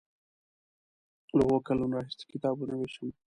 له اوو کلونو راهیسې کتابونه ویشم.